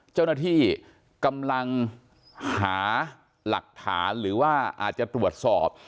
เจ้าหน้าที่กำลังหาหลักฐานหรือว่าอาจจะตรวจสอบ